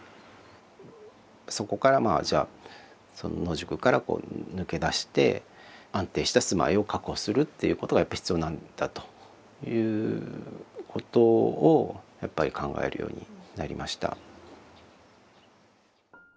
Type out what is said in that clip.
そこからまあじゃあ野宿から抜け出して安定した住まいを確保するっていうことがやっぱり必要なんだということをやっぱり考えるようになりました。